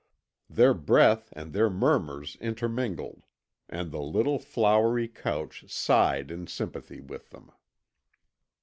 Their breath and their murmurs intermingled. And the little flowery couch sighed in sympathy with them.